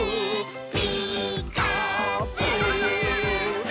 「ピーカーブ！」